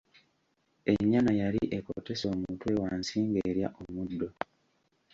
Ennyana yali ekotese omutwe wansi ng’erya omuddo.